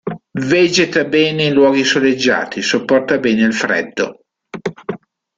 Vegeta bene in luoghi soleggiati, sopporta bene il freddo.